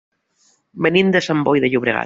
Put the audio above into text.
Venim de Sant Boi de Llobregat.